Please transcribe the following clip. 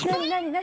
何？